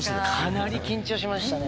かなり緊張しましたね。